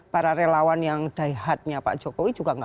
para relawan yang